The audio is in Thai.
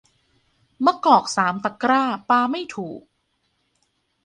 มะกอกสามตะกร้า ปาไม่ถูก